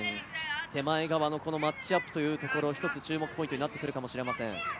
手前側のマッチアップというところ、一つ注目ポイントになってくるかもしれません。